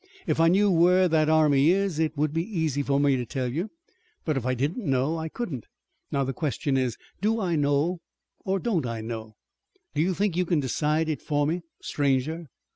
If I knew where that army is it would be easy for me to tell you, but if I didn't know I couldn't. Now, the question is, do I know or don't I know? Do you think you can decide it for me stranger?"